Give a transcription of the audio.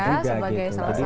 sebagai salah satu daerah